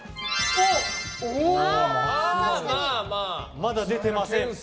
まだ出てません。